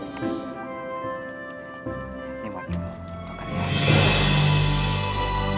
ini buat kamu